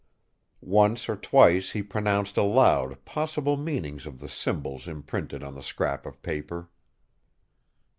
Once or twice he pronounced aloud possible meanings of the symbols imprinted on the scrap of paper.